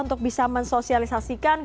untuk bisa mensosialisasikan